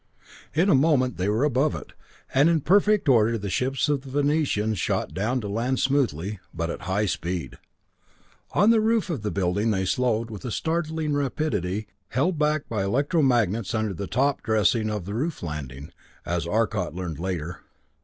In a moment they were above it, and in perfect order the ships of the Venerians shot down to land smoothly, but at high speed. On the roof of the building they slowed with startling rapidity, held back by electromagnets under the top dressing of the roof landing, as Arcot learned later.